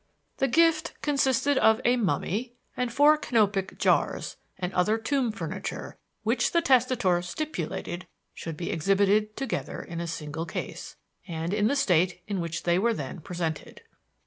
The gift consisted of a mummy with four Canopic jars and other tomb furniture which the testator stipulated should be exhibited together in a single case and in the state in which they were then presented.